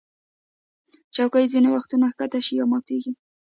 چوکۍ ځینې وخت ښکته شي یا ماتېږي.